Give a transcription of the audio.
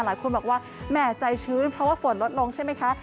หลายคนบอกว่าแหม่ใจชื้นเพราะว่าฝนลดลงใช่ไหมคะ